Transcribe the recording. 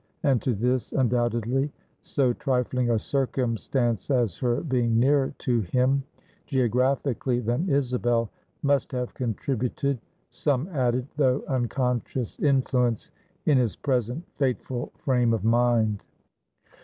And to this, undoubtedly, so trifling a circumstance as her being nearer to him, geographically, than Isabel, must have contributed some added, though unconscious influence, in his present fateful frame of mind.